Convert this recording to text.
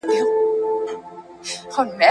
او په ځغاسته سو روان د غار و لورته !.